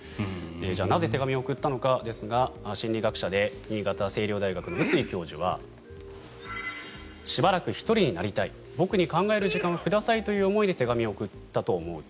なぜ手紙を送ったのかですが心理学者で新潟青陵大学の碓井教授はしばらく１人になりたい僕に考える時間をくださいという思いで手紙を送ったと思うと。